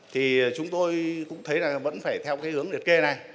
thì chúng tôi cũng thấy là vẫn phải theo cái hướng liệt kê này